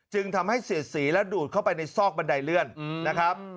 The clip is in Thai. จึงทำให้เสียดสีและดูดเข้าไปในซอกบันไดเลื่อนนะครับ